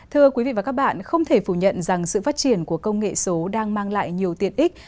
thưa quý vị và các bạn không thể phủ nhận rằng sự phát triển của công nghệ số đang mang lại nhiều tiện ích